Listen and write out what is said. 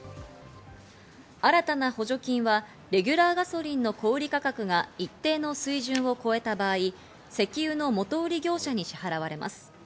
新たな補助金はレギュラーガソリンの小売価格が一定の水準を超えた場合、石油の元売り業者に支払われます。